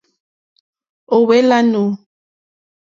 Ò hwé !lánù.